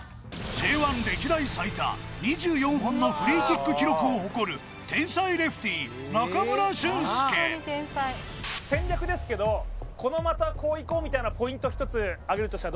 Ｊ１歴代最多２４本のフリーキック記録を誇る天才レフティー中村俊輔戦略ですけどこの的はこういこうみたいなポイントを１つ挙げるとしたら？